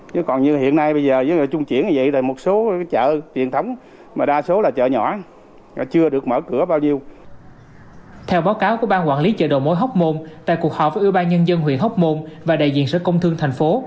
tại cuộc họp với ưu ba nhân dân huyện hóc môn và đại diện sở công thương thành phố